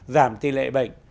giảm tỷ lệ bệnh